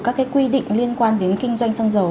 các quy định liên quan đến kinh doanh xăng dầu